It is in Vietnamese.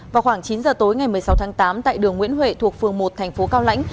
vào khoảng chín giờ tối ngày một mươi sáu tháng tám tại đường nguyễn huệ thuộc phường một thành phố cao lãnh